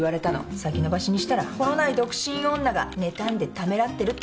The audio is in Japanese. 先延ばしにしたら子のない独身女がねたんでためらってるって思われるでしょうが。